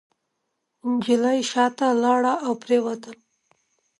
نجلۍ شاته لاړه او پرېوته.